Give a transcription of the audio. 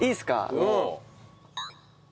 うん。